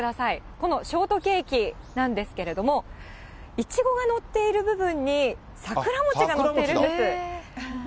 このショートケーキなんですけれども、イチゴが載っている部分に桜餅が載ってるんです。